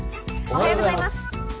おはようございます。